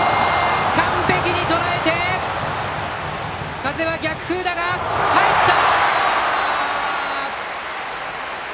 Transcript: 完璧にとらえて風は逆風だが入った！